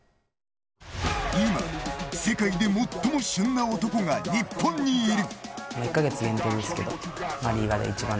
今、世界で最も旬な男が日本にいる。